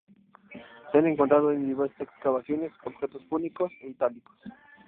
Se han encontrado en diversas excavaciones objetos púnicos e itálicos.